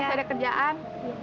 masih ada kerjaan